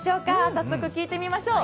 早速聞いてみましょう。